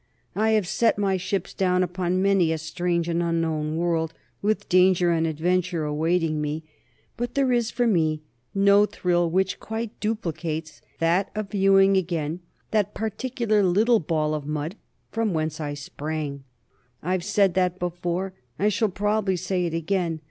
I have set my ships down upon many a strange and unknown world, with danger and adventure awaiting me, but there is, for me, no thrill which quite duplicates that of viewing again that particular little ball of mud from whence I sprang. I've said that before; I shall probably say it again.